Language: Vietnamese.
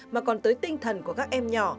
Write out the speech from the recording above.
mà còn tới tinh thần của các em nhỏ